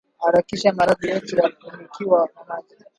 hakikisha maharage yote yanafunikwa na maji